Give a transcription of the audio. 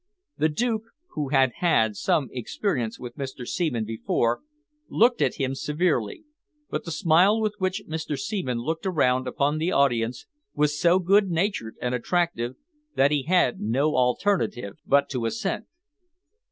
The Duke, who had had some experience with Mr. Seaman before, looked at him severely, but the smile with which Mr. Seaman looked around upon the audience was so good natured and attractive, that he had no alternative but to assent.